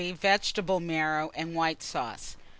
Vegetable marrow and white sauce.